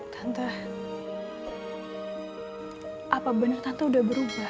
tante apa benar tante udah berubah